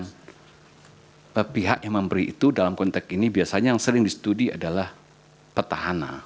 nah pihak yang memberi itu dalam konteks ini biasanya yang sering disetujui adalah petahana